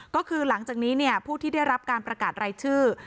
ก็คือหลังจากนี้ผู้ที่ได้รับการประกาศรายชื่อ